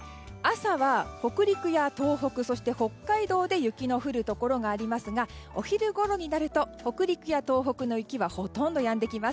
朝は北陸や東北、そして北海道で雪の降るところがありますがお昼ごろになると北陸や東北の雪はほとんどやんできます。